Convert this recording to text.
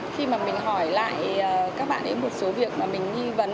khi mà mình hỏi lại các bạn ấy một số việc mà mình nghi vấn